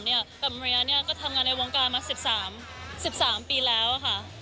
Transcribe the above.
แต่มาริยาก็ทำงานในวงการมา๑๓ปีแล้วค่ะ